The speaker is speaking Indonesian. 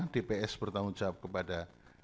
dps bertanggung jawab kepada